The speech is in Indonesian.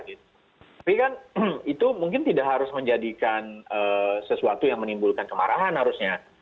tapi kan itu mungkin tidak harus menjadikan sesuatu yang menimbulkan kemarahan harusnya